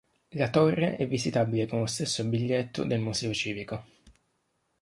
La torre è visitabile con lo stesso biglietto del Museo Civico.